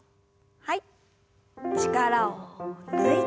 はい。